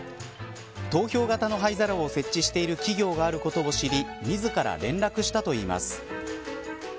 投票型の灰皿を設置している企業があることを知り自ら連絡したといいます。